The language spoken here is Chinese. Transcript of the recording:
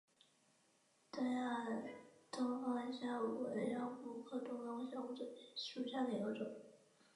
东亚东方虾蛄为虾蛄科东方虾蛄属下的一个种。